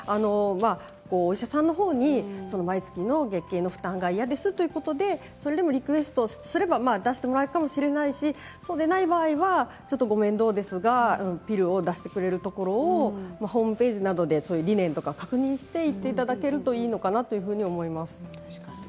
お医者さんのほうに毎月の月経の負担が嫌ですということでそれでリクエストすれば出してもらえるかもしれないしそうでない場合はご面倒ですがピルを出してくれるところをホームページなどで理念などを確認していっていただけるといいのかなと思います。